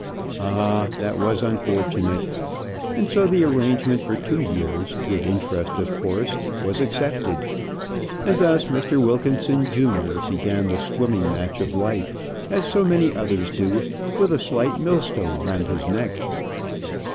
Ah! that was unfortunate! And so the arrangement for two years with interest, of course was accepted. And thus Mr. Wilkinson junior began the swimming match of life, as so many others do, with a slight millstone round his neck.